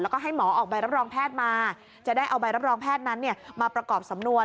แล้วก็ให้หมอออกใบรับรองแพทย์มาจะได้เอาใบรับรองแพทย์นั้นมาประกอบสำนวน